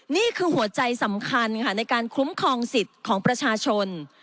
นี่คือหัวใจสำคัญค่ะในการคุ้มครองสิทธิ์ของประชาชน